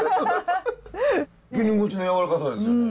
絹ごしのやわらかさですよね？